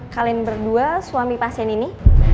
kalian berdua suami pasien ini